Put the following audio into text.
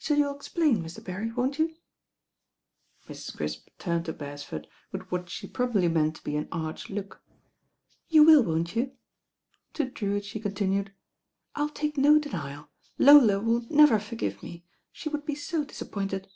So you'll explain, Mr. Berry, won't you?" Mrs. Crisp turned to Beresford with what she probably meant to be an arch look. "You will, won't you?" To Drewitt she continued, "I'll take no denial. Lola would never forgpve me. She would be so disappointed.